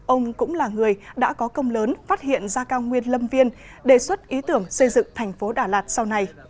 ông cũng là người đã có công lớn phát hiện ra cao nguyên lâm viên đề xuất ý tưởng xây dựng thành phố đà lạt sau này